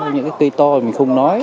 những cái cây to mình không nói